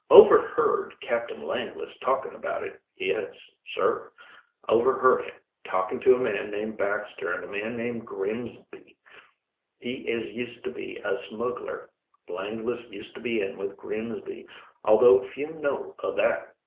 "Overheard Captain Langless talking about it, yes, sir overheard him talking to a man named Baxter and a man named Grimsby he as used to be a smuggler. Langless used to be in with Grimsby, although few know o' that.